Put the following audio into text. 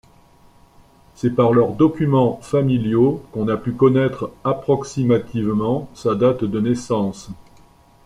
C'est par leurs documents familiaux qu'on a pu connaître approximativement sa date de naissance.